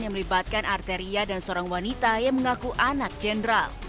yang melibatkan arteria dan seorang wanita yang mengaku anak jenderal